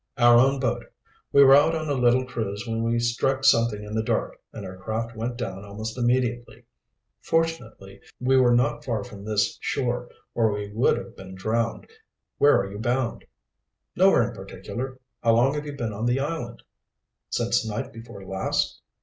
"Our own boat. We were out on a little cruise when we struck something in the dark and our craft went down almost immediately. Fortunately we were not far from this shore, or we would have been drowned. Where are you bound?" "Nowhere in particular. How long have you been on the island?" "Since night before last?"